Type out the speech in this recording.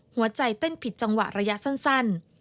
หัวใจเต้นผิดจังหวะระยะสั้น